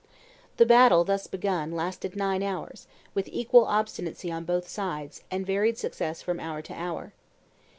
The battle, thus begun, lasted nine hours, with equal obstinacy on both sides, and varied success from hour to hour.